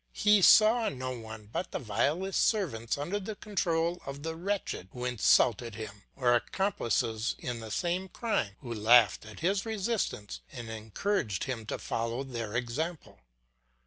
He saw no one but the vilest servants under the control of the wretch who insulted him, or accomplices in the same crime who laughed at his resistance and encouraged him to follow their example.